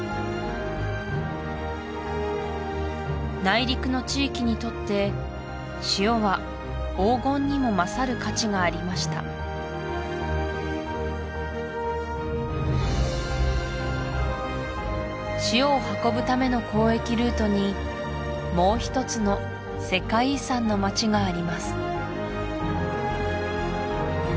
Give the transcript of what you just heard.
内陸の地域にとって塩は黄金にも勝る価値がありました塩を運ぶための交易ルートにもう一つの世界遺産の町があります